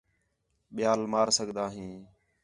ٻِیال مار سڳدا ہیں